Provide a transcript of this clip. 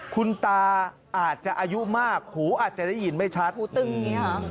คุณตาอาจจะอายุมากหูอาจจะได้ยินไม่ชัดหูตึงอย่างนี้ค่ะ